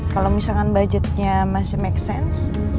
kalau misalkan budgetnya masih make sense